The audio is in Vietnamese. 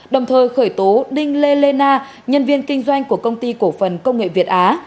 đồng thời khởi tố đinh lê lê na nhân viên kinh doanh của công ty cổ phần công nghệ việt á